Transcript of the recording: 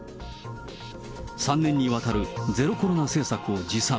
３年にわたるゼロコロナ政策を自賛。